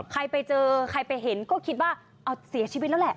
ใครไปเจอใครไปเห็นก็คิดว่าเอาเสียชีวิตแล้วแหละ